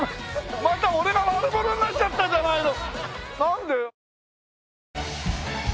また俺が悪者になっちゃったじゃないの。